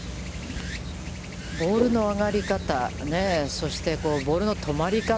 ボールの上がり方、そしてボールの止まり方。